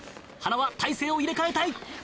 塙体勢を入れ替えたい。